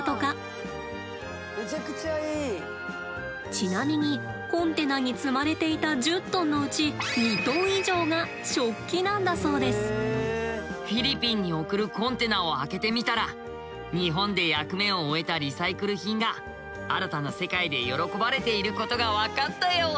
ちなみにコンテナに積まれていたフィリピンに送るコンテナを開けてみたら日本で役目を終えたリサイクル品が新たな世界で喜ばれていることがわかったよ。